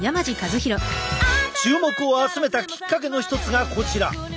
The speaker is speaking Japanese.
注目を集めたきっかけの一つがこちら。